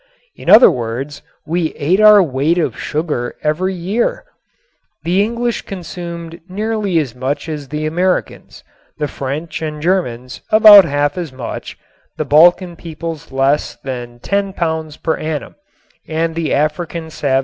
In other words we ate our weight of sugar every year. The English consumed nearly as much as the Americans; the French and Germans about half as much; the Balkan peoples less than ten pounds per annum; and the African savages none.